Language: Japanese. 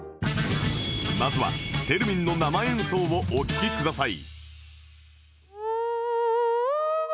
まずはテルミンの生演奏をお聴きください